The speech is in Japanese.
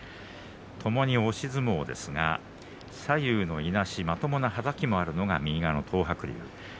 ともに押し相撲ですが左右のいなし、まともなはたきがあるのが右の東白龍。